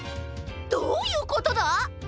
どういうことだ！？